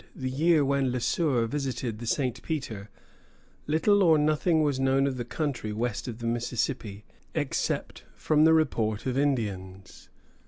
] Before 1700, the year when Le Sueur visited the St. Peter, little or nothing was known of the country west of the Mississippi, except from the report of Indians.